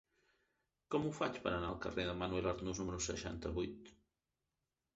Com ho faig per anar al carrer de Manuel Arnús número seixanta-vuit?